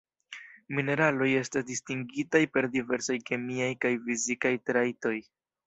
Mineraloj estas distingitaj per diversaj kemiaj kaj fizikaj trajtoj.